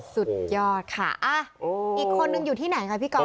สุดยอดค่ะอีกคนหนึ่งอยู่ที่ไหนครับพี่กอล์ฟ